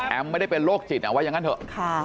ไม่ได้เป็นโรคจิตเอาไว้อย่างนั้นเถอะ